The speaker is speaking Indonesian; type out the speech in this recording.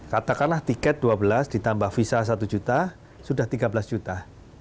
katakanlah tiket dua belas ditambah visa satu juta sudah tiga belas juta